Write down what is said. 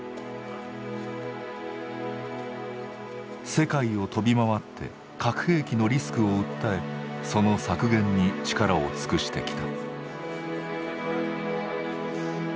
世界を飛び回って核兵器のリスクを訴えその削減に力を尽くしてきた。